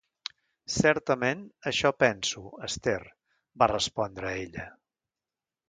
"Certament, això penso, Esther", va respondre ella.